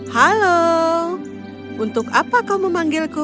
halo untuk apa kau memanggilku